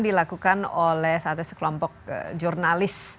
dilakukan oleh sekelompok jurnalis